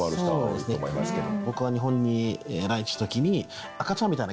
僕は日本に来日した時に。